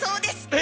え